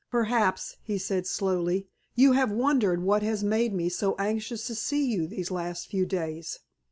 "Perhaps," he said, slowly, "you have wondered what has made me so anxious to see you these last few days.